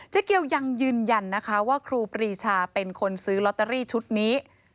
เกี่ยวยังยืนยันนะคะว่าครูปรีชาเป็นคนซื้อลอตเตอรี่ชุดนี้